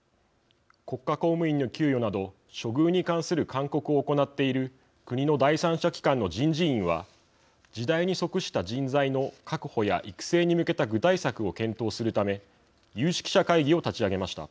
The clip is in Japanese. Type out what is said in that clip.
国家公務員の給与など処遇に関する勧告を行っている国の第三者機関の人事院は時代に即した人材の確保や育成に向けた具体策を検討するため有識者会議を立ち上げました。